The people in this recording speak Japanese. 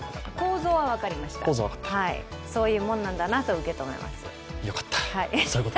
構造は分かりました、そういうもんなんだなと受け止めます。